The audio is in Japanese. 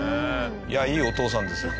いやいいお父さんですよ